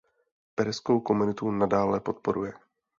Perskou komunitu nadále podporuje.